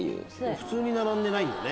普通に並んでないんだね。